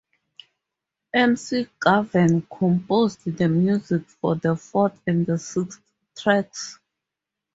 McGovern composed the music for the fourth and sixth tracks.